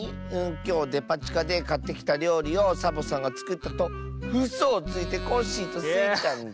「きょうデパちかでかってきたりょうりをサボさんがつくったとうそをついてコッシーとスイちゃんに」。